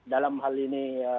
dalam hal ini